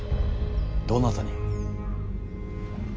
どなたに。